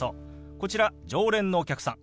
こちら常連のお客さん。